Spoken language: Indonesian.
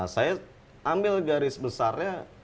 saya ambil garis besarnya